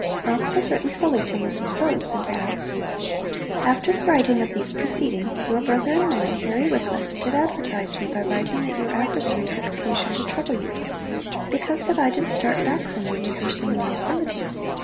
Knox has written fully to Mrs Bowes, and adds 'After the writing of these preceding, your brother and mine, Harry Wycliffe, did advertise me by writing that your adversary took occasion to trouble you, because that I did start back from you rehearsing your infirmities.